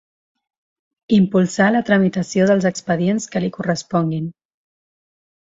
Impulsar la tramitació dels expedients que li corresponguin.